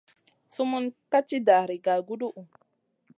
Sumun ka tì dari gaguduhu.